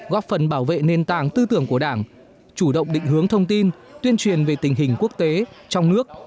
góp phần bảo vệ nền tảng tư tưởng của đảng chủ động định hướng thông tin tuyên truyền về tình hình quốc tế trong nước